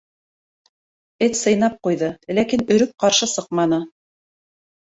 Эт сыйнап ҡуйҙы, ләкин өрөп ҡаршы сыҡманы.